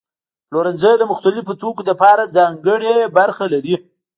پلورنځي د مختلفو توکو لپاره ځانګړي برخې لري.